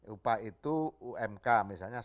upah itu umk misalnya